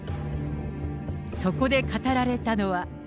そこで語られたのは。